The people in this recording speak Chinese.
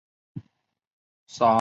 撒拉更怂其赶走夏甲母子。